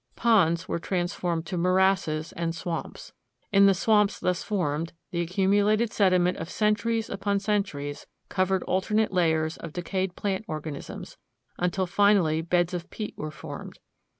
Ponds were transformed to morasses and swamps. In the swamps thus formed, the accumulated sediment of centuries upon centuries covered alternate layers of decayed plant organisms, until finally beds of peat were formed.